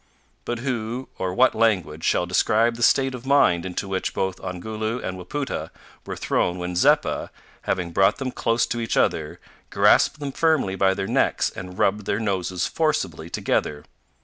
But who, or what language, shall describe the state of mind into which both Ongoloo and Wapoota were thrown when Zeppa, having brought them close to each other, grasped them firmly by their necks and rubbed their noses forcibly together.